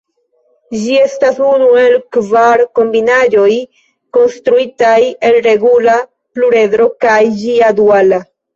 Ĝi estas unu el kvar kombinaĵoj konstruitaj el regula pluredro kaj ĝia duala.